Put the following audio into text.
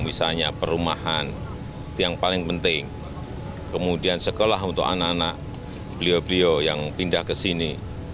misalnya perumahan yang paling penting kemudian sekolah untuk anak anak beliau beliau yang pindah ke sini